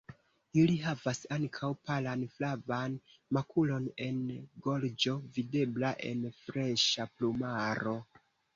Ili havas ankaŭ palan flavan makulon en gorĝo videbla en freŝa plumaro.